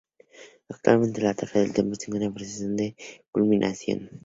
Actualmente la torre del templo se encuentra en proceso de culminación.